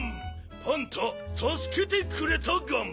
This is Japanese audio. パンタたすけてくれたガン。